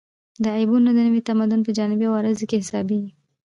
دا عیبونه د نوي تمدن په جانبي عوارضو کې حسابېږي